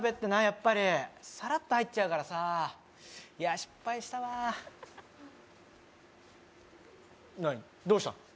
やっぱりさらっと入っちゃうからさいや失敗したわ何どうしたの？